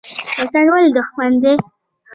شیطان ولې دښمن دی؟